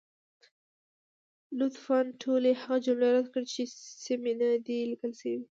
لطفا ټولې هغه جملې رد کړئ، چې سمې نه دي لیکل شوې.